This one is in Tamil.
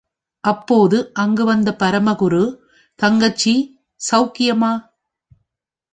அப்போது அங்கு வந்த பரமகுரு, தங்கச்சி, சவுக்கியமா?